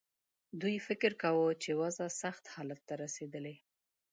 دوی فکر کاوه چې وضع سخت حالت ته رسېدلې.